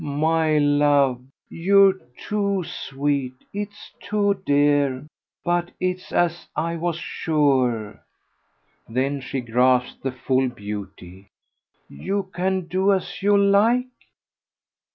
"My love, you're too sweet! It's too dear! But it's as I was sure." Then she grasped the full beauty. "You can do as you like?"